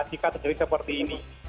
jika terjadi seperti ini